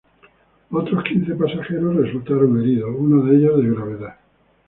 Otros quince pasajeros resultaron heridos, uno de ellos de gravedad.